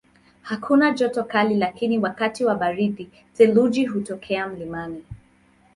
Hakuna joto kali lakini wakati wa baridi theluji hutokea mlimani.